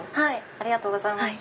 ありがとうございます。